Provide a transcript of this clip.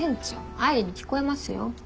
愛梨に聞こえますよ。